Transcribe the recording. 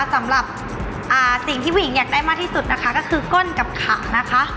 สำหรับสิ่งที่ผู้หญิงอยากได้มากที่สุดนะคะก็คือก้นกับขานะคะ